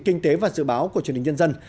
kinh tế và dự báo của chương trình nhân dân